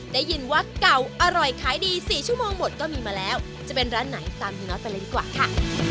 ได้ยินว่าเก่าอร่อยขายดี๔ชั่วโมงหมดก็มีมาแล้วจะเป็นร้านไหนตามเฮีน็อตไปเลยดีกว่าค่ะ